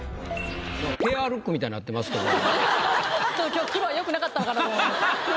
今日黒はよくなかったのかなと。